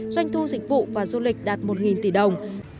doanh thu dịch vụ và du lịch đạt một tỷ đồng